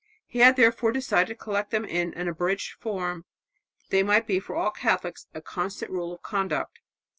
He had therefore decided to collect them in an abridged form that they might be for all Catholics a constant rule of conduct.